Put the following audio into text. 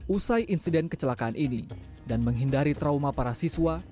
usai insiden kecelakaan ini dan menghindari trauma para siswa